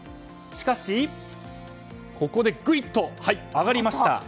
しかし、ここでぐいっと上がりました。